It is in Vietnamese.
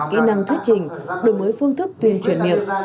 kỹ năng thuyết trình đổi mới phương thức tuyên truyền miệng